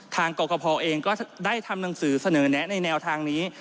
กรกภเองก็ได้ทำหนังสือเสนอแนะในแนวทางนี้